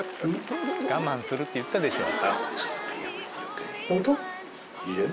我慢するって言ったでしょ。